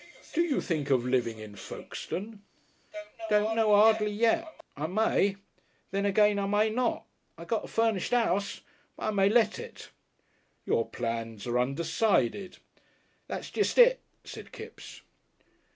"Do you think of living in Folkestone?" "Don't know 'ardly yet. I may. Then again, I may not. I got a furnished 'ouse, but I may let it." "Your plans are undecided?" "That's jest it," said Kipps.